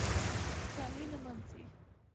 خوشالي نمانځي